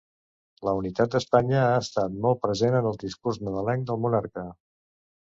La unitat d'Espanya ha estat molt present en el discurs nadalenc del monarca